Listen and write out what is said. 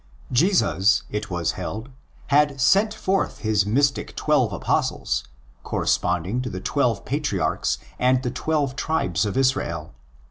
''! Jesus, it was held, had sent forth his mystic Twelve Apostles—corresponding to the twelve patriarchs and the twelve tribes of Israel.